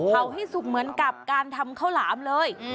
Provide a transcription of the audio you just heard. เผาให้สุกเหมือนกับการทำข้าวหลามเลย